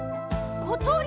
ことり？